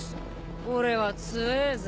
俺は強えぜ。